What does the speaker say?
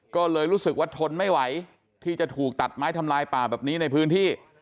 ก็เลยรู้สึกว่าทนไม่ไหวที่จะถูกตัดไม้ทำลายป่าแบบนี้ในพื้นที่